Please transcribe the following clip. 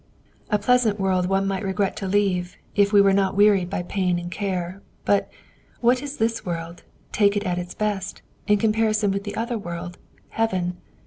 "A pleasant world one might regret to leave if we were not wearied by pain and care. But, what is this world, take it at its best, in comparison with that other world, Heaven?